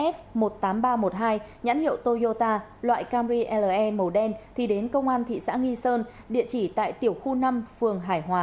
năm mươi một f một mươi tám nghìn ba trăm một mươi hai nhãn hiệu toyota loại camry le màu đen thì đến công an thị xã nghi sơn địa chỉ tại tiểu khu năm phường hải hòa